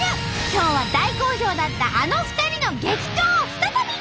今日は大好評だったあの２人の激闘再び！